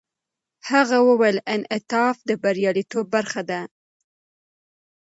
هغه وویل، انعطاف د بریالیتوب برخه ده.